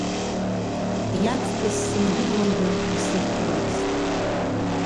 Иаҵкыс сымдыруанда исырҭарымызт.